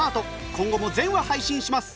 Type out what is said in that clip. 今後も全話配信します